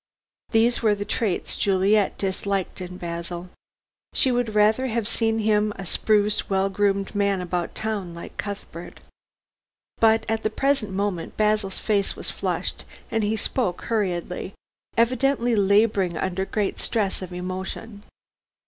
These were the traits Juliet disliked in Basil. She would rather have seen him a spruce well groomed man about town like Cuthbert. But at the present moment Basil's face was flushed, and he spoke hurriedly, evidently laboring under great stress of emotion.